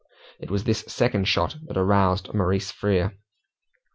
It was this second shot that had aroused Maurice Frere.